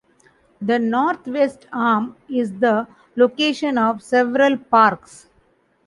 The Northwest Arm is the location of several parks.